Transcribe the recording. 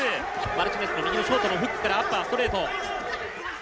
「マルチネスの右のショートのフックからアッパーストレート」。